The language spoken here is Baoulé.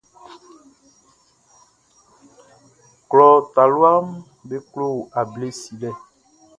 Klɔ taluaʼm be klo able silɛ.